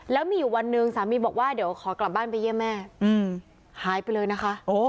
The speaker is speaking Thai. แล้วมีอยู่วันหนึ่งสามีบอกว่าเดี๋ยวขอกลับบ้านไปเยี่ยมแม่หายไปเลยนะคะ